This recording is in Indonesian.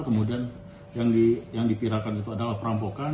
kemudian yang dipirakan itu adalah perampokan